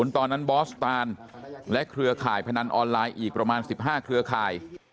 ตอนนั้นบอสตานและเครือข่ายพนันออนไลน์อีกประมาณ๑๕เครือข่าย